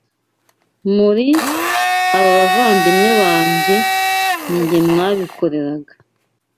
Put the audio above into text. muri aba bavandimwe banjye, ni Jye mwabikoreraga.”